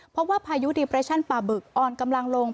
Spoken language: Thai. เพราะว่าพายุดีเปรชั่นป่าบึกอ่อนกำลังลง